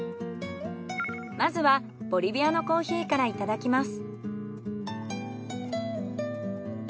まずはボリビアのコーヒーからいただきます。